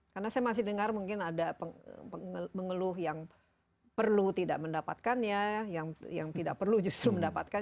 karena saya masih dengar mungkin ada pengeluh yang perlu tidak mendapatkan ya yang tidak perlu justru mendapatkan